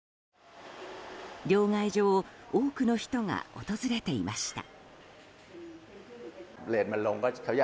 両替所を多くの人が訪れていました。